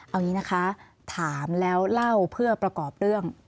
เอาอย่างนี้นะคะถามแล้วเล่าเพื่อประกอบเรื่อง